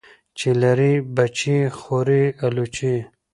چی لری بچي خوري الوچی .